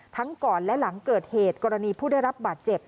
ก่อนและหลังเกิดเหตุกรณีผู้ได้รับบาดเจ็บ